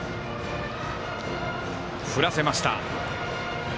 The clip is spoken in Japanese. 振らせました。